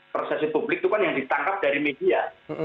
persesi publik itu kan yang ditangkap dari media